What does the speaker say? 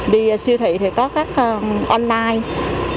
đi siêu thị thì có các online